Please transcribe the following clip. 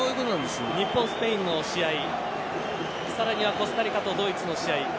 日本、スペインの試合さらにはコスタリカとドイツの試合